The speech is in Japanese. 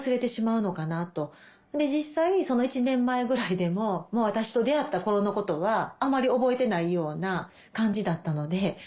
実際１年前ぐらいでももう私と出会った頃のことはあまり覚えてないような感じだったので。